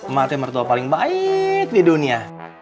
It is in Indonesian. maknya yang bertuah paling baik di dunia